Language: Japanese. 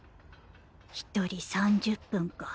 １人３０分か。